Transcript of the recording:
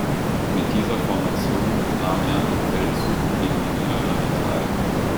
Mit dieser Formation nahm er am Feldzug gegen die Niederlande teil.